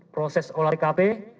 proses olahraga kp